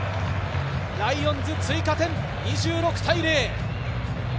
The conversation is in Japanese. ライオンズ追加点、２６対０。